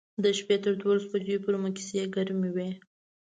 د شپې تر دولس بجو پورې مو کیسې ګرمې وې.